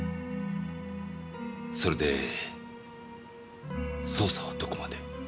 それで捜査はどこまで？